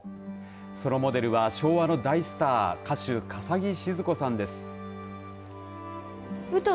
そのモデルは昭和の大スター歌手、笠置シヅ子さんです。